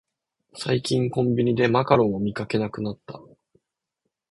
最近コンビニでマカロンを見かけなくなった